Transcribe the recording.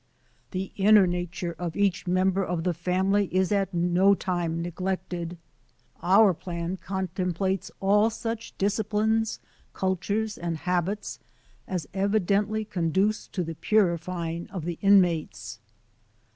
"The inner nature of each member of the Family is at no time neglected. Our plan con templates all such disciplines, cultures, and habits as evidently conduce to the purifying of the in mates.